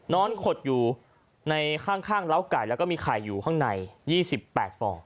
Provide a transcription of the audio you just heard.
ขดอยู่ในข้างล้าไก่แล้วก็มีไข่อยู่ข้างใน๒๘ฟอง